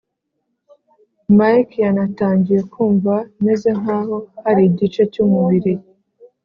Mike natangiye kumva meze nk aho hari igice cy umubiri